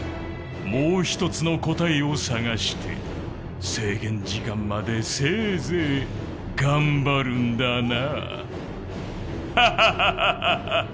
もう一つの答えを探して制限時間までせいぜい頑張るんだな。